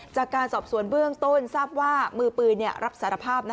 จากการสอบสวนเบื้องต้นทราบว่ามือปืนรับสารภาพ